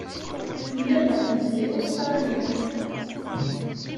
Mlaleɣ-tent deg Ustṛalya.